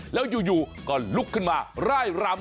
แล้วอยู่ก็ลุกขึ้นมาไล่รำอะครับ